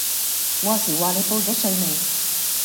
話時話你報咗稅未